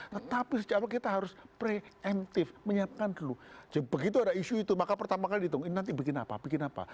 tetapi sejak awal kita harus pre emptive menyiapkan dulu begitu ada isu itu maka pertama kali dihitung ini nanti bikin apa bikin apa